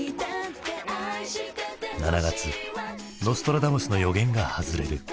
７月ノストラダムスの予言が外れる。